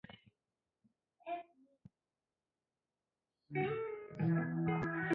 aliwahimiza wananchi wote kujitokeza kwa maandamano kwa sababu wanashikilia eti